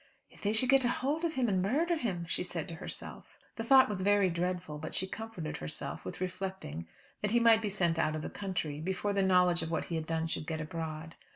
"If they should get hold of him, and murder him!" she said to herself. The thought was very dreadful, but she comforted herself with reflecting that he might be sent out of the country, before the knowledge of what he had done should get abroad.